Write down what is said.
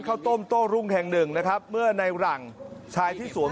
ข้าวต้มโต้รุ่งแห่งหนึ่งนะครับเมื่อในหลังชายที่สวม